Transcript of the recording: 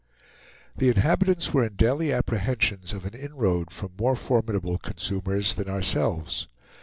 The inhabitants were in daily apprehensions of an inroad from more formidable consumers than ourselves.